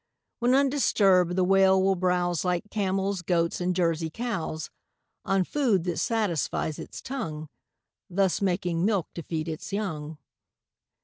When undisturbed, the Whale will browse Like camels, goats, and Jersey cows, On food that satisfies its tongue, Thus making milk to feed its young.